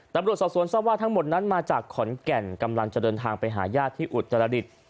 ตำรวจสอบสวนทราบว่าทั้งหมดนั้นมาจากขอนแก่นกำลังจะเดินทางไปหาญาติที่อุตรดิษฐ์